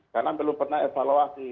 karena belum pernah evaluasi